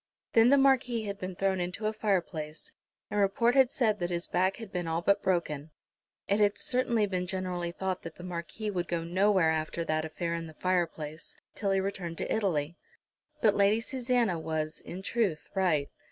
Then the Marquis had been thrown into a fireplace, and report had said that his back had been all but broken. It had certainly been generally thought that the Marquis would go nowhere after that affair in the fireplace, till he returned to Italy. But Lady Susanna was, in truth, right.